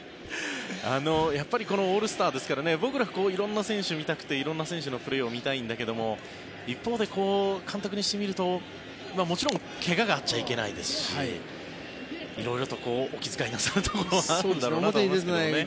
やっぱりオールスターですから僕ら、色んな選手見たくて色んな選手のプレーを見たいんだけども一方で、監督にしてみるともちろん怪我があっちゃいけないですし色々とお気遣いなさるところがあるんだろうなと思いますけど。